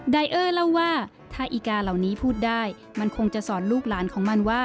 เออร์เล่าว่าถ้าอีกาเหล่านี้พูดได้มันคงจะสอนลูกหลานของมันว่า